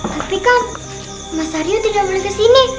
tapi kan mas aryo tidak boleh kesini